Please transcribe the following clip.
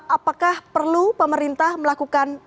apakah perlu pemerintah melakukan